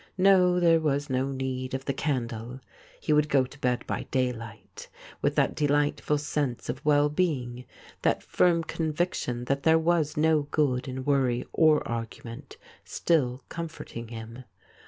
No, there was no need of the candle ; he would go to bed by daylight, with that delightful sense of well being, that firm conviction that there was no good in worry or argument, still comforting him.